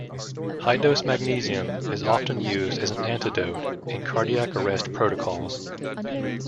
High-dose magnesium is often used as an antidote in cardiac arrest protocols.